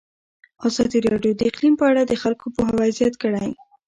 ازادي راډیو د اقلیم په اړه د خلکو پوهاوی زیات کړی.